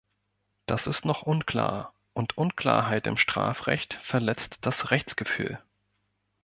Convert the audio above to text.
Das ist noch unklar, und Unklarheit im Strafrecht verletzt das Rechtsgefühl.